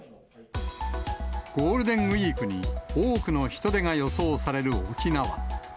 ゴールデンウィークに、多くの人出が予想される沖縄。